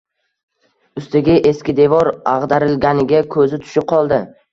Ustiga eski devor ag‘darilganiga ko‘zi tushib qoldi.